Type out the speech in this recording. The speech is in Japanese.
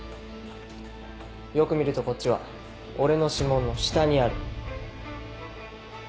よく見るとこっちは俺の指紋の下にある。